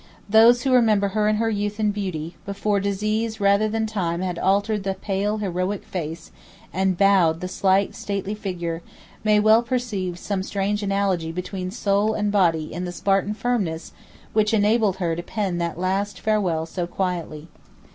Those who remember her in her youth and beauty, before disease rather than time had altered the pale heroic face, and bowed the slight, stately figure, may well perceive some strange analogy between soul and body in the Spartan firmness which enabled her to pen that last farewell so quietly.